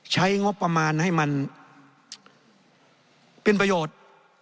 ใช้งบประมาณให้มันเป็นประโยชน์